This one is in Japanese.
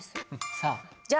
さあ。